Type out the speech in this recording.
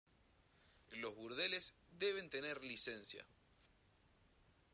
Los burdeles deben tener licencia.